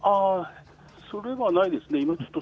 それはないですね。